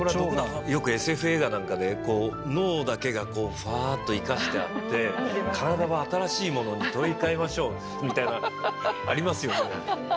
よくＳＦ映画なんかで脳だけがふわっと生かしてあって体は新しいものに取り替えましょうみたいなのありますよね。